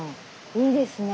いいですね。